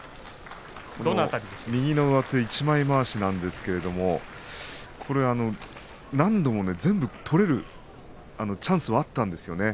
右の上手、一枚まわしなんですけど、これ何度も全部取れるチャンスはあったんですよね。